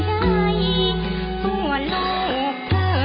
โปรดติดตามตอนต่อไป